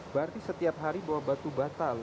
berarti setiap hari bawa batu bata loh